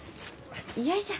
よいしょ。